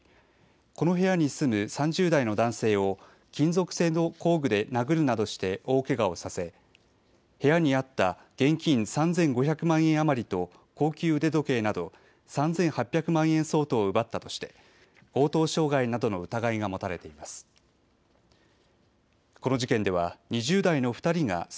この部屋に住む３０代の男性を金属製の工具で殴るなどして大けがをさせ部屋にあった現金３５００万円余りと高級腕時計など３８００万円相当を奪ったとして強盗傷害などの疑いが持たれています。